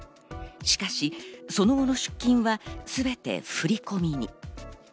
しかし、その後の出金はすべて振り込みに。